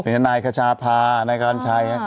เป็นอย่างนายขจาภานายกรรมชัย